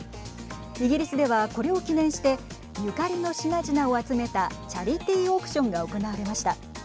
イギリスでは、これを記念してゆかりの品々を集めたチャリティーオークションが行われました。